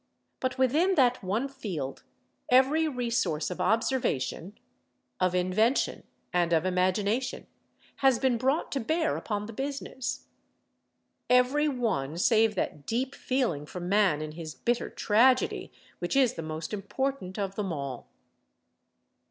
But within that one field every resource of observation, of invention and of imagination has been brought to bear upon the business—every one save that deep feeling for man in his bitter tragedy which is the most important of them all.